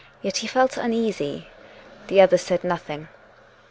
Yet he felt uneasy. The other said nothing.